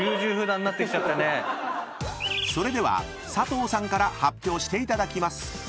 ［それでは佐藤さんから発表していただきます］